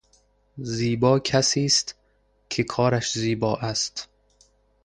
زیبا کسی است که کارش زیبا است.